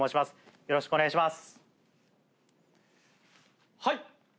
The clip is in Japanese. よろしくお願いします。